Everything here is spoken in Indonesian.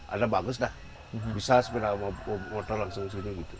ada bagus dah bisa sepeda sama motor langsung sini gitu